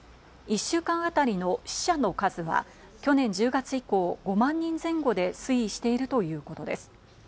１週間あたりの死者の数は去年１０月以降、５万人前後で推移しているということです。